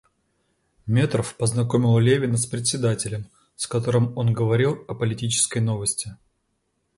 Метров познакомил Левина с председателем, с которым он говорил о политической новости.